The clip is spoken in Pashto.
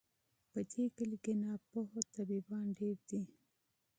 په دې کلي کي ناپوه طبیبان ډیر دي